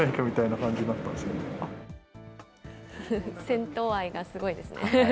銭湯愛がすごいですね。